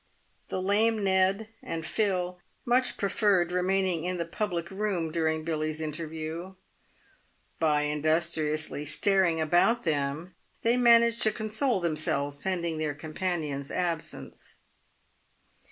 ./ The lame Ned and Phil much preferred remaining in the public V room during Billy's interview. By industriously staring about them they managed to console themselves pending their companion's absence.